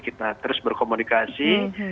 kita terus berkomunikasi